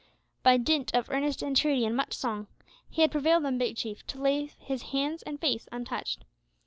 By dint of earnest entreaty and much song, he had prevailed on Big Chief to leave his face and hands untouched.